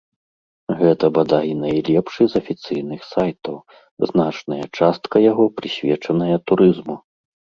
Гэта, бадай, найлепшы з афіцыйных сайтаў, значная частка яго прысвечаная турызму.